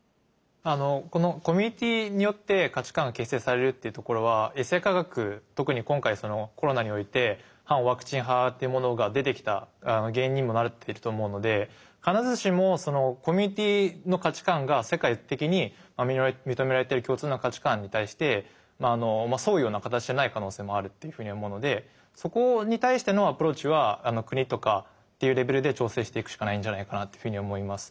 コミュニティーによって価値観が形成されるっていうところはエセ科学特に今回コロナにおいて反ワクチン派っていうものが出てきた原因にもなってると思うので必ずしもコミュニティーの価値観が世界的に認められてる共通の価値観に対してまああの沿うような形でない可能性もあるっていうふうに思うのでそこに対してのアプローチは国とかっていうレベルで調整していくしかないんじゃないかなっていうふうに思います。